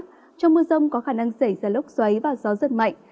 trong mưa rông có khả năng xảy ra lốc xoáy và gió giật mạnh